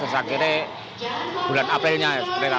terus akhirnya bulan aprilnya